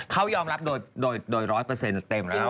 เขายอมรับโดยร้อยเปอร์เซ็นต์เต็มแล้ว